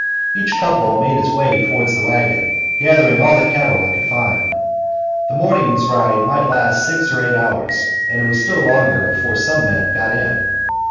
Each couple made its way toward the wagon, gathering all the cattle it could find. The morning's ride might last six or eight hours, and it was still longer before some of the men got in.